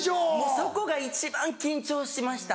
そこが一番緊張しました。